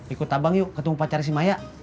ikut abang yuk ketemu pacar si maya